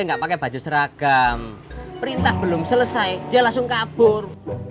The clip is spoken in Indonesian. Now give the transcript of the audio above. nggak pakai baju seragam perintah belum selesai dia langsung kabur